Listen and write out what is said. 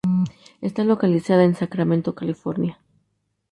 Está localizada en en Sacramento, California.